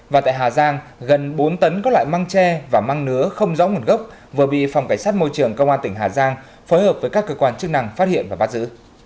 và tại hà giang gần bốn tấn các loại măng tre và măng nứa không rõ nguồn gốc vừa bị phòng cảnh sát môi trường công an tỉnh hà giang phối hợp với các cơ quan chức năng phát hiện và bắt giữ